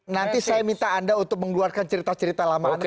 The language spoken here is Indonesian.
nanti saya minta anda untuk mengeluarkan cerita cerita lama anda